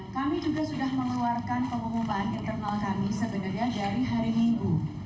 kami juga sudah mengeluarkan pengumuman internal kami sebenarnya dari hari minggu